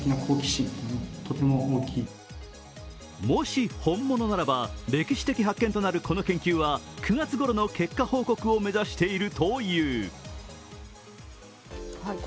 もし本物ならば歴史的発見となるこの研究は９月ごろの結果報告を目指しているという。